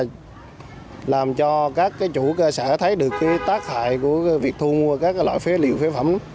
làm cho các chủ cơ sở thấy được tác hại của việc thu mua các loại phế liệu phế phẩm